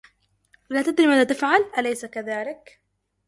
لا تدري ماذا تفعل، أليس كذلك؟